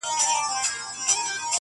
د آدب لمرجهاني دی,